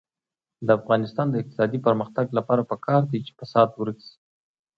د افغانستان د اقتصادي پرمختګ لپاره پکار ده چې فساد ورک شي.